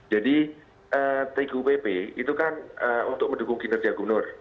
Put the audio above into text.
jadi tgupp itu kan untuk mendukung kinerja gubernur